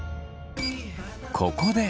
ここで。